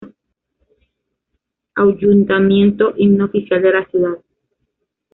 Ayuntamiento, Himno Oficial de la Ciudad.